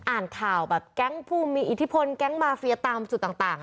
อ่านข่าวแบบแก๊งผู้มีอิทธิพลแก๊งมาเฟียตามจุดต่าง